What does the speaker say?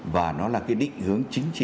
và nó là cái định hướng chính của công an